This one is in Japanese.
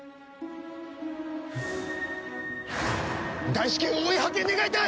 大至急応援派遣願いたい！